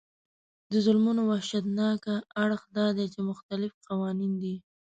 د ظلمونو وحشتناک اړخ دا دی چې مختلف قوانین دي.